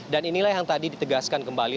dan inilah yang tadi ditegaskan kembali